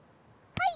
はい！